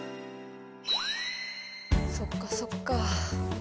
そっかそっか。